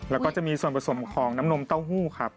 แล้วก็จะมีส่วนผสมของน้ำนมเต้าหู้ครับ